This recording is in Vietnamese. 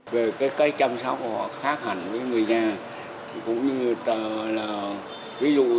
về cái chăm sóc khác hẳn với người nhà